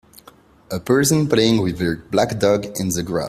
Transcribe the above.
A person playing with their black dog in the grass.